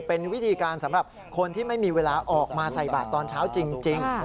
เป็นวิธีการสำหรับคนที่ไม่มีเวลาออกมาใส่บาทตอนเช้าจริง